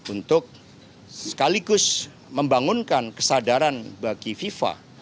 untuk sekaligus membangunkan kesadaran bagi fifa